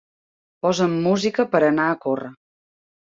Posa'm música per a anar a córrer.